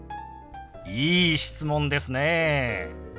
いい質問ですね。